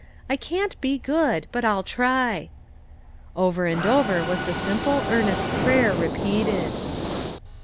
I can't be good, but I'll try." Over and over was the simple, earnest prayer repeated.